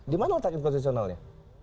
di mana letak konstitusionalnya